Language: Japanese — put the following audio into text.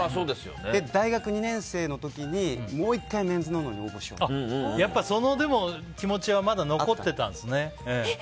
で、大学２年生の時にもう１回、「メンズノンノ」にやっぱ、その気持ちはまだ残ってたんですね。